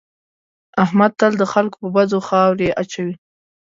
احمد تل د خلکو په بدو خاورې اچوي.